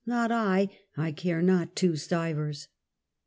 Not I I I care not two stivers.